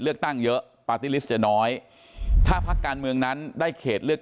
เลือกตั้งเยอะปาร์ตี้ลิสต์จะน้อยถ้าพักการเมืองนั้นได้เขตเลือก